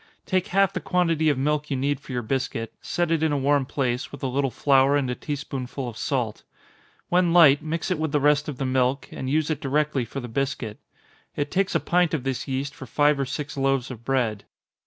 Take half the quantity of milk you need for your biscuit set it in a warm place, with a little flour, and a tea spoonful of salt. When light, mix it with the rest of the milk, and use it directly for the biscuit. It takes a pint of this yeast for five or six loaves of bread.